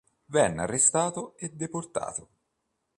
Venne arrestato e deportato.